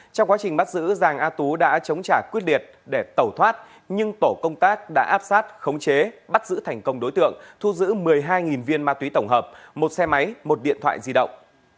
trong quá trình bắt giữ giàng a tú đã chống trả quyết liệt để tẩu thoát nhưng tổ công tác đã áp sát khống chế bắt giữ thành công đối tượng thu giữ một mươi hai viên ma túy tổng hợp một xe máy một điện thoại di động